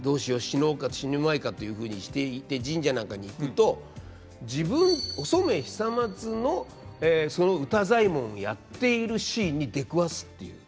死のうか死ぬまいか」というふうにしていって神社なんかに行くと自分お染久松のその歌祭文やっているシーンに出くわすっていう。